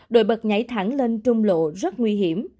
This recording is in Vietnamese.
đội bật nhảy thẳng lên trung lộ rất nguy hiểm